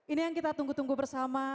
ini yang kita tunggu tunggu bersama